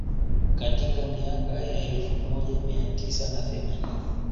Katika miaka ya elfu moja mia tisa na themanini